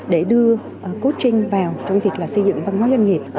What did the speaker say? để đưa coaching vào trong việc xây dựng văn hóa doanh nghiệp